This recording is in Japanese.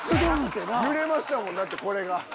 揺れましたもんこれが。